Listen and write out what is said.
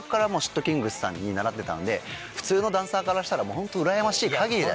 ｔｋｉｎｇｚさんに習ってたんで普通のダンサーからしたらホントうらやましい限りだよ。